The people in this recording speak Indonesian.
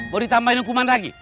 mau ditambahin hukuman lagi